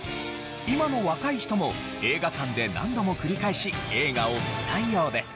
今の若い人も映画館で何度も繰り返し映画を見たいようです。